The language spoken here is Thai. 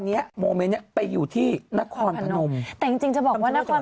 พระยาศิริสัตว์ตระนักฮาราชช่วยหน่อย